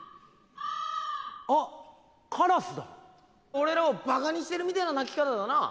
俺らをバカにしてるみてえな鳴き方だな。